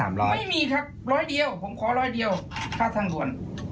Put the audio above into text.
ไม่มีครับ๑๐๐เดียวผมขอ๑๐๐เดียวค่าทางหลวน